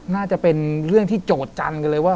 น่าจะเป็นเรื่องที่โจทย์จันทร์กันเลยว่า